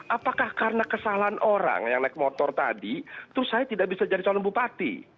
apakah karena kesalahan orang yang naik motor tadi terus saya tidak bisa jadi calon bupati